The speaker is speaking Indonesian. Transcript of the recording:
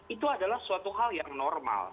itu adalah suatu hal yang normal